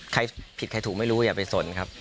ใครผิดใครถูกไม่รู้อย่าไปสนครับ